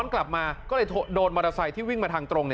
กลับมาก็เลยโดนมอเตอร์ไซค์ที่วิ่งมาทางตรง